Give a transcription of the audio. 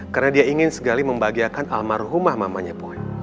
karena dia ingin sekali membagiakan almarhumah mamanya boy